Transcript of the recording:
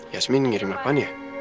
yasmin ngirim apaan ya